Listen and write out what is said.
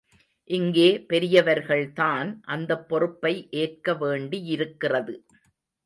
இங்கே பெரியவர்கள்தான் அந்தப் பொறுப்பை ஏற்க வேண்டியிருக்கிறது.